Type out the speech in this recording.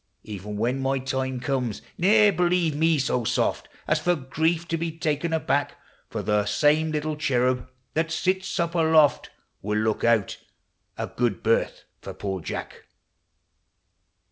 Even when my time comes, ne'er believe me so soft As for grief to be taken aback ; For the same little cherub that sits up aloft Will look out a good berth for poor Jack!